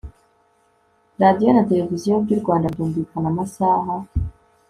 radio na television by'u rwanda byumvikana amasaha